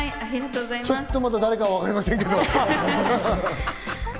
ちょっとまだ誰かわかりませんけど。